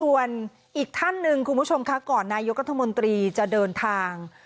ส่วนอีกท่านหนึ่งคุณผู้ชมคะก่อนนายกรัฐมนตรีจะเดินทาง